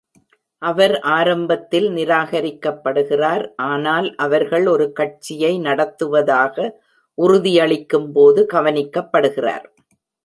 அவர் ஆரம்பத்தில் நிராகரிக்கப்படுகிறார், ஆனால் அவர்கள் ஒரு கட்சியை நடத்துவதாக உறுதியளிக்கும் போது கவனிக்கப்படுகிறார்.